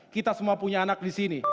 kita semua punya anak di sini